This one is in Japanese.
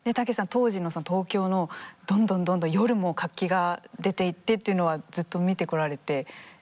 当時の東京のどんどんどんどん夜も活気が出ていってっていうのはずっと見てこられてどうでしたか？